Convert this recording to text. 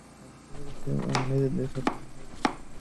ওরা চলে গেছে, ওরা নিজেদের সবকিছু নিয়ে গেছে।